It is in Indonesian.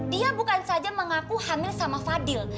dia bukan saja mengaku hamil sama fadil